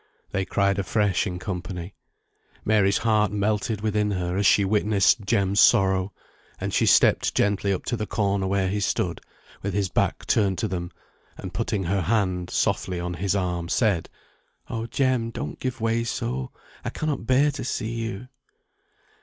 They cried afresh in company. Mary's heart melted within her as she witnessed Jem's sorrow, and she stepped gently up to the corner where he stood, with his back turned to them, and putting her hand softly on his arm, said, "Oh, Jem, don't give way so; I cannot bear to see you."